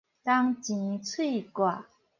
銅錢碎割